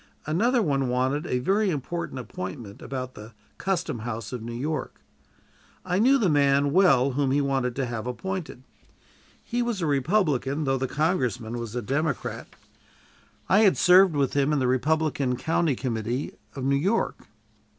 Another one wanted a very important appointment about the custom house of New York. I knew the man well whom he wanted to have appointed. He was a Republican, though the congressman was a Democrat. I had served with him in the Republican county committee of New York.